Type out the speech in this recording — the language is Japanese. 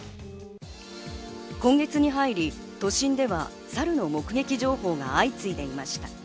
今月に入り、都心ではサルの目撃情報が相次いでいました。